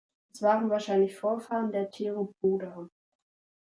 Es waren wahrscheinlich Vorfahren der Theropoda.